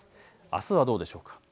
あすはどうでしょう。